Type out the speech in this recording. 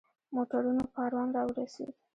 موټرونو کاروان را ورسېد.